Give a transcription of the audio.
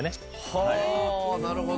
はあなるほど。